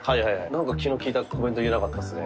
なんか気の利いたコメント言えなかったですね。